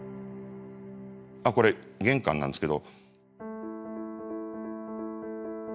あっこれ玄関なんですけど。